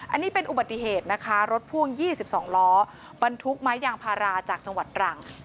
อันนี้เป็นอุบัติเหตุนะคะรถพ่วง๒๒ล้อบรรทุกไม้ยางพาราจากจังหวัดตรัง